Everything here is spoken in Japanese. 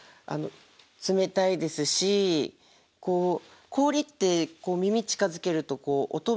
冷たいですし氷って耳近づけるとこう音解ける音がね。